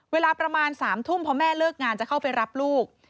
เวลาประมาณ๓ทุ่มพอแม่เลิกงานจะเข้าไปรับลูก